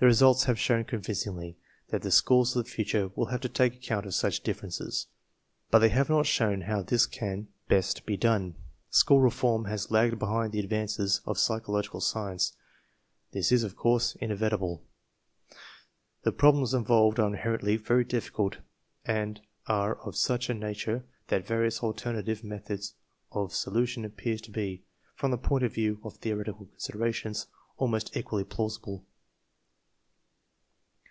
The results have shown convincingly that the schools of the future will have to take account of such differ ences, but they have not shown how this can best be done. School reform has lagged behind the advances of psychological science. This is, of course, inevitable. The problems involved are inherently very difficult and are of such a nature that various alternative meth ods of solution appear to be, from the point of view of theoretical considerations, almost equally plausible.